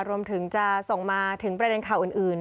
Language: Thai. รวมถึงจะส่งมาถึงประเด็นข่าวอื่น